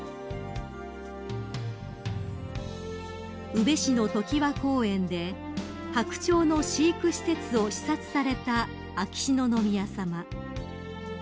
［宇部市のときわ公園でハクチョウの飼育施設を視察された秋篠宮さま］